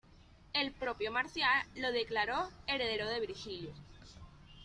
El propio Marcial lo declaró heredero de Virgilio.